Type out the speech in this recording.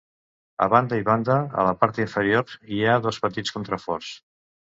A banda i banda, a la part inferior, hi ha dos petits contraforts.